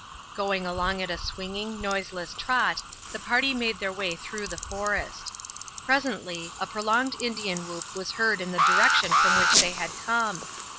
Going along at a swinging, noiseless trot the party made their way through the forest. Presently a prolonged Indian whoop was heard in the direction from which they had come.